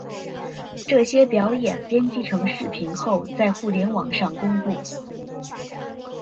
这些表演编辑成视频后在互联网上公布。